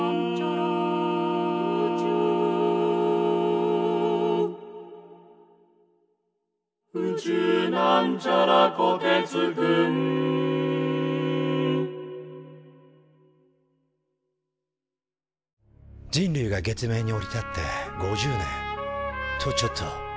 「宇宙」人類が月面に降り立って５０年とちょっと。